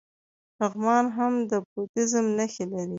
لغمان هم د بودیزم نښې لري